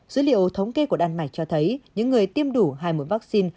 dữ liệu thống kê của đan mạch cho thấy những người tiêm đủ hai mũi vaccine